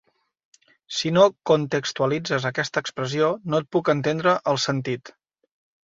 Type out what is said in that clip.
Si no contextualitzes aquesta expressió, no en puc entendre el sentit.